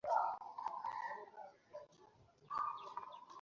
তোমাকে জিজ্ঞেস করেছি, ওটা কে ছিল?